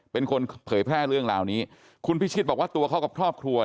เป็นคนเผยแพร่เรื่องราวนี้คุณพิชิตบอกว่าตัวเขากับครอบครัว